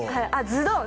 「ズドン」